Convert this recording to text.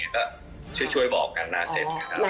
ก็ช่วยบอกกันหน้าเสร็จ